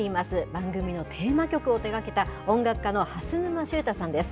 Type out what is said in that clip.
番組のテーマ曲を手がけた、音楽家の蓮沼執太さんです。